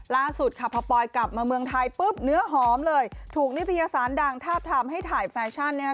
ล่าสุดค่ะพอปอยกลับมาเมืองไทยปุ๊บเนื้อหอมเลยถูกนิตยสารดังทาบทามให้ถ่ายแฟชั่นนะครับ